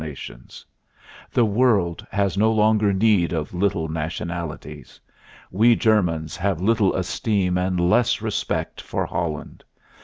nations. The world has no longer need of little nationalities. We Germans have little esteem and less respect ... for Holland.